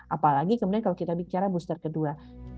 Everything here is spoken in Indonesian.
apalagi kemudian kalau kita bicara booster kedua